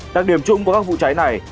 đặc điểm chung của các vụ cháy này